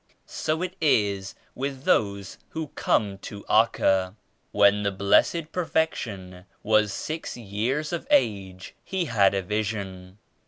So it is with those who come to Acca." "When the Blessed Perfection was six years of age He had a vision.